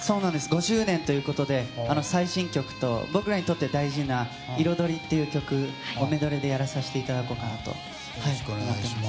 ５周年ということで最新曲と、僕らにとって大事な「彩り」っていう曲をメドレーでやらさせていただこうかなと思います。